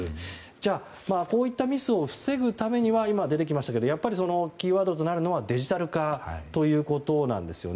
じゃあこういったミスを防ぐためには今出てきましたけどキーワードとなるのはデジタル化ということなんです。